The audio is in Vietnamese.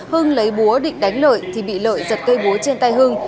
hưng lấy búa định đánh lợi thì bị lợi giật cây búa trên tay hưng